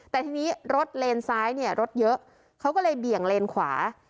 แต่ทีนี้รถเลนซ้ายเนี่ยรถเยอะเขาก็เลยเบี่ยงเลนขวา